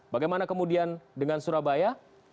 bagaimana kemudian dengan surabaya